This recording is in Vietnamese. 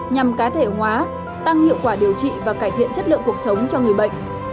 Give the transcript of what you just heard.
nhằm cá thể hóa tăng hiệu quả điều trị và cải thiện chất lượng cuộc sống cho người bệnh